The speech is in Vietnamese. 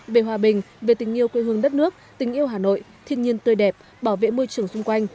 về hòa bình về tình yêu quê hương đất nước tình yêu hà nội thiên nhiên tươi đẹp bảo vệ môi trường xung quanh